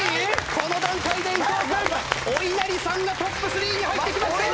この段階で伊藤君おいなりさんがトップ３に入ってきました。